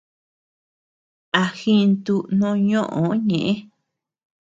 A jintu noo ñoʼö ñeʼë.